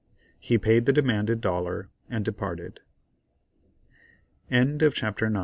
He paid the demanded dollar and departed. CHAPTER X.